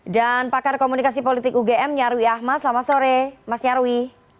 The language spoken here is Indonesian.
dan pakar komunikasi politik ugm nyarwi ahmad selamat sore mas nyarwi